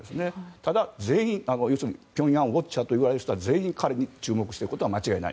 ただ、ピョンヤンウォッチャーといわれる人は全員、彼に注目していることは間違いない。